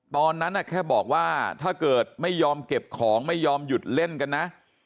ตอนนั้นแค่บอกว่าถ้าเกิดไม่ยอมเก็บของไม่ยอมหยุดเล่นกันนะ